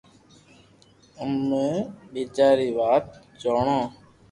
امي ٻيجا ري واٽ جونئو